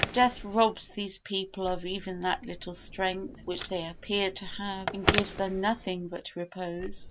Death robs these people of even that little strength which they appeared to have and gives them nothing but repose.